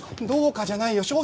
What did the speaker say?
どうかじゃないよ